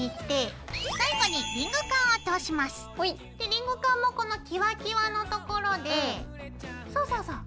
リングカンもこのキワキワのところでそうそうそう。